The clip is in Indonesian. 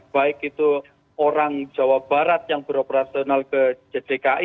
baik itu orang jawa barat yang beroperasional ke dki